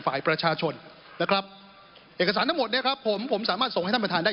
ฝ่ายประชาชนนะครับเอกสารทั้งหมดเนี่ยครับผมผมสามารถส่งให้ท่านประธานได้